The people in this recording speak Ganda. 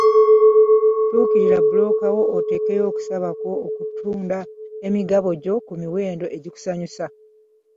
Tuukirira bbulooka wo, oteekeyo okusaba kwo okw'okutunda emigabo gyo ku miwendo egikusanyusa.